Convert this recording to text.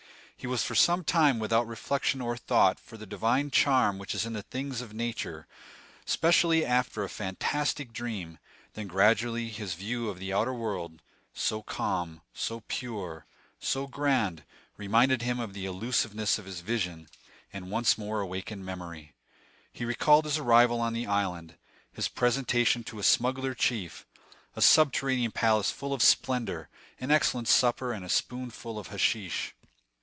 He was for some time without reflection or thought for the divine charm which is in the things of nature, specially after a fantastic dream; then gradually this view of the outer world, so calm, so pure, so grand, reminded him of the illusiveness of his vision, and once more awakened memory. He recalled his arrival on the island, his presentation to a smuggler chief, a subterranean palace full of splendor, an excellent supper, and a spoonful of hashish.